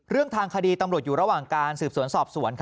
ทางคดีตำรวจอยู่ระหว่างการสืบสวนสอบสวน